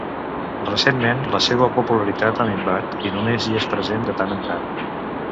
Recentment, la seua popularitat ha minvat i només hi és present de tant en tant.